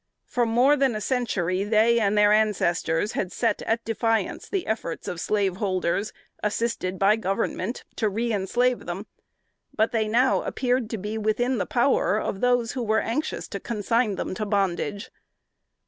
For more than a century they and their ancestors had set at defiance the efforts of slaveholders, assisted by Government, to reënslave them; but they now appeared to be within the power of those who were anxious to consign them to bondage.